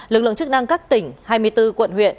lực lượng chức năng các tỉnh hai mươi bốn quận huyện